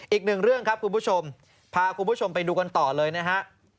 อีกหนึ่งเรื่องครับคุณผู้ชมพาคุณผู้ชมไปดูกันต่อเลยนะฮะ